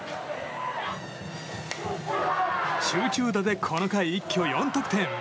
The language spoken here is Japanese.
集中打でこの回一挙４得点。